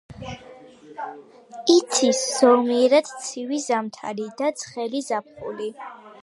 იცის ზომიერად ცივი ზამთარი და ცხელი ზაფხული.